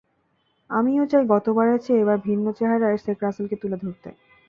আমিও চাই গতবারের চেয়ে এবার ভিন্ন চোহারায় শেখ রাসেলকে তুলে ধরতে।